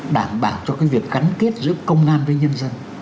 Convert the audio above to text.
đảm bảo cho cái việc gắn kết giữa công an với nhân dân